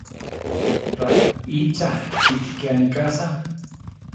Raícha kíti ke aníka asá!